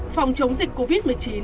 phòng chống dịch covid một mươi chín